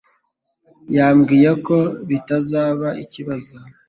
yambwiye ko bitazaba ikibazo.